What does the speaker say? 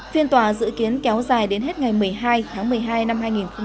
phiên tòa dự kiến kéo dài đến hết ngày một mươi hai tháng một mươi hai năm hai nghìn hai mươi